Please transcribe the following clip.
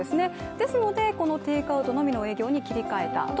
ですので、このテイクアウトのみの営業に切り替えたと。